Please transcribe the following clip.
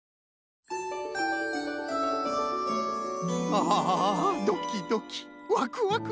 ああドキドキワクワク。